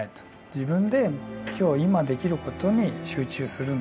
自分で今日今できることに集中するんだ。